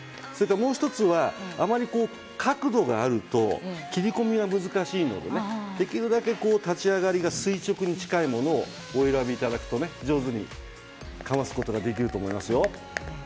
もう１つはあまり角度があると切り込みが難しいのでできるだけ立ち上がりが垂直に近いものをお選びいただくと上手にかますことができますよ。